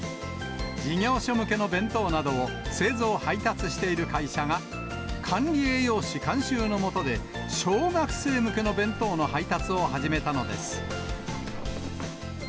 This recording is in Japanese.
事業所向けの弁当などを製造・配達している会社が、管理栄養士監修の下で、小学生向け弁当の配達を始めたのです。